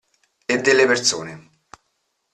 E delle persone.